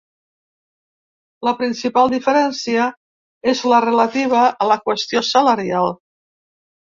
La principal diferència és la relativa a la qüestió salarial.